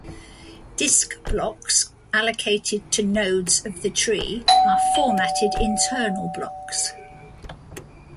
Disk blocks allocated to nodes of the tree are "formatted internal blocks".